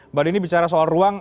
mbak dini bicara soal ruang